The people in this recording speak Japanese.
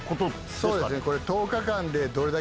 そうですね。